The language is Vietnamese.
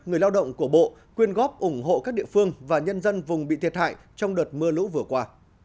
người lao động của bộ quyên góp ủng hộ các địa phương và nhân dân vùng bị thiệt hại trong đợt mưa lũ vừa qua